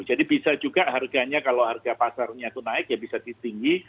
jadi bisa juga harganya kalau harga pasarnya itu naik ya bisa ditinggi